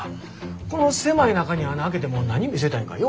この狭い中に孔開けても何見せたいんかよ